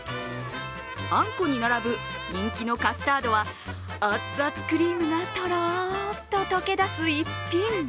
あんこに並ぶ人気のカスタードは熱々クリームがとろーっと溶け出す逸品。